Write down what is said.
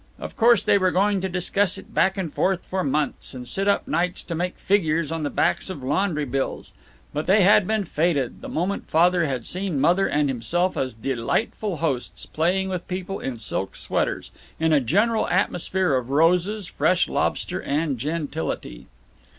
Of course they were going to discuss it back and forth for months, and sit up nights to make figures on the backs of laundry bills. But they had been fated the moment Father had seen Mother and himself as delightful hosts playing with people in silk sweaters, in a general atmosphere of roses, fresh lobster, and gentility.